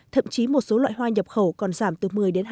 thậm chí một số loại hoa nhập khẩu còn giảm từ một mươi hai mươi